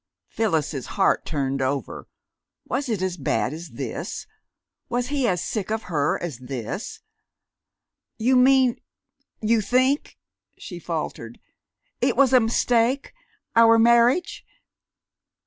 Phyllis's heart turned over. Was it as bad as this? Was he as sick of her as this? "You mean you think," she faltered, "it was a mistake our marriage?"